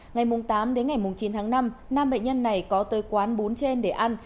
ngày tám đến ngày chín tháng năm nam bệnh nhân này có tới quán bún trên để ăn